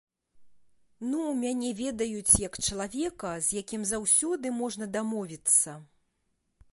Ну, мяне ведаюць, як чалавека, з якім заўсёды можна дамовіцца.